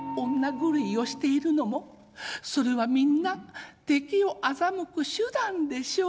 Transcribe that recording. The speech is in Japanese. ぐるいをしているのもそれはみんな敵を欺く手段でしょう。